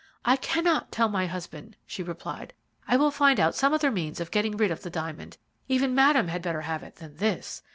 "I cannot tell my husband," she replied. "I will find out some other means of getting rid of the diamond even Madame had better have it than this.